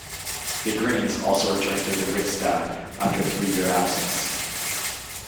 The Greens also returned to the Riksdag after a three-year absence.